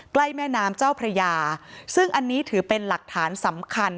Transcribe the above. แม่น้ำเจ้าพระยาซึ่งอันนี้ถือเป็นหลักฐานสำคัญ